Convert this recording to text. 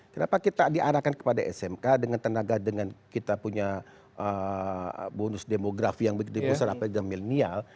kenapa kita diarahkan kepada smk dengan tenaga dengan kita punya bonus demografi yang begitu besar apalagi dengan milenial